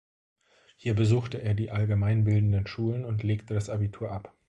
Hier besuchte er die allgemeinbildenden Schulen und legte das Abitur ab.